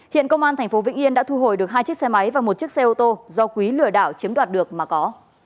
hiện công an tp vĩnh yên đã thu hồi được hai chiếc xe máy và một chiếc xe ô tô do quý lừa đảo chiếm đoạt được mà có